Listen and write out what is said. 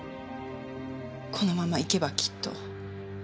このままいけばきっと。